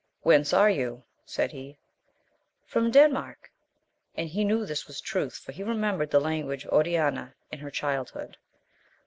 Whence are you ? said he. — From Denmark. — And he knew this was truth, for he remembered the language of Onana in her childhood.